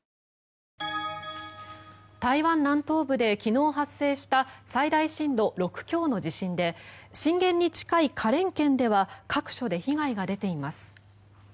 台湾南東部で昨日発生した最大震度６強の地震で震源に近い花蓮県では各所で被害が出ています。